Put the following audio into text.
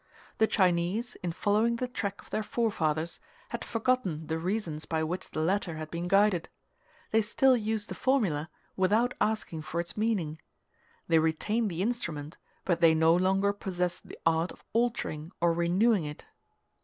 The Chinese, in following the track of their forefathers, had forgotten the reasons by which the latter had been guided. They still used the formula, without asking for its meaning: they retained the instrument, but they no longer possessed the art of altering or renewing it.